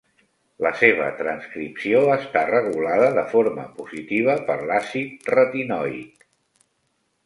La seva transcripció està regulada de forma positiva per l'àcid retinoic.